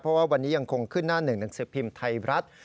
เพราะว่าวันนี้ยังคงขึ้นหน้าหนึ่งหนังสือพิมพ์ไทยรัฐ